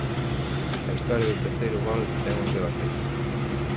A historia do terceiro gol ten o seu aquel.